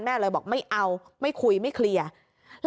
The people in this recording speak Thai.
เลยบอกไม่เอาไม่คุยไม่เคลียร์